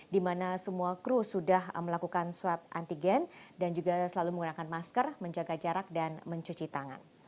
di mana semua kru sudah melakukan swab antigen dan juga selalu menggunakan masker menjaga jarak dan mencuci tangan